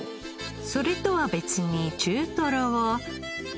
それとは別に中トロを。